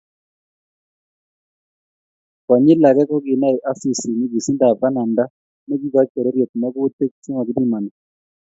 Konyil age kokinai Asisi nyigisindab bananda nekiikoch pororiet magutik chemo kipimani